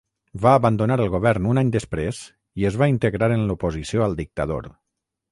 Va abandonar el govern un any després i es va integrar en l'oposició al dictador.